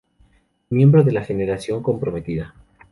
Miembro de la Generación Comprometida.